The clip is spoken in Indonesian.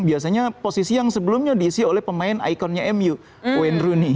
biasanya posisi yang sebelumnya diisi oleh pemain ikonnya mu wayne rooney